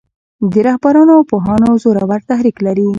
د رهبرانو او پوهانو زورور تحرک لري.